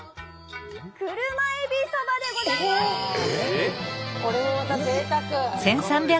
車えびそばでございます！